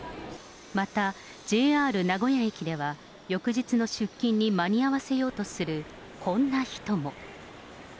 また、ＪＲ名古屋駅では、翌日の出勤に間に合わせようとするこんな人も。